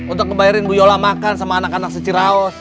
untuk ngebayarin bu jola makan sama anak anak seceraus